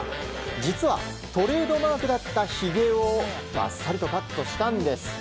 実はトレードマークだったひげをバッサリとカットしたんです。